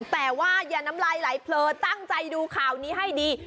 แต่ว่าอย่าน้ำลายไหลเผลอตั้งใจดูข่าวนี้ให้ดี